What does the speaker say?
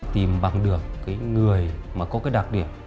tìm bằng được người có đặc điểm